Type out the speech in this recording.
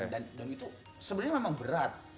dan itu sebenernya memang berat